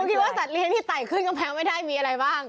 คิดว่าสัตเลี้ยที่ไต่ขึ้นกำแพงไม่ได้มีอะไรบ้าง